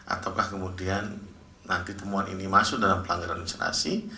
ataukah kemudian nanti temuan ini masuk dalam pelanggaran administrasi